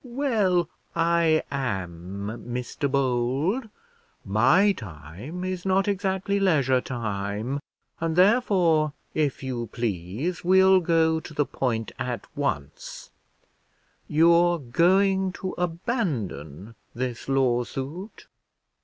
"Well, I am, Mr Bold; my time is not exactly leisure time, and, therefore, if you please, we'll go to the point at once: you're going to abandon this lawsuit?"